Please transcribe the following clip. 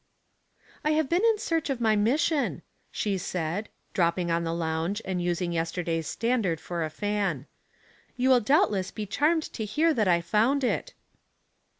" I have been in search of my mission," she said, dropping on the lounge, and using yester day's Standard for a fan. *'You will doubtless be charmed to hear that I found it."